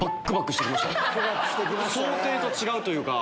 想定と違うというか。